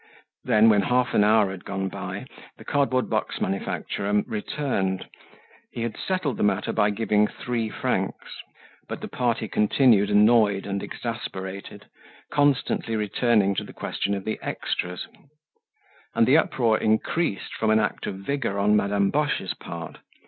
Then, when half an hour had gone by the cardboard box manufacturer returned; he had settled the matter by giving three francs. But the party continued annoyed and exasperated, constantly returning to the question of the extras. And the uproar increased from an act of vigor on Madame Boche's part.